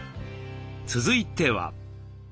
続いては。